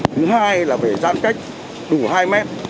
thứ hai là phải giãn cách đủ hai mét